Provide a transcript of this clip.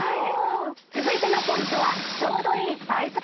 続いてのポイントはちょうどいいサイズ感。